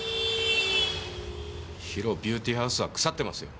ＨＩＲＯビューティーハウスは腐ってますよ。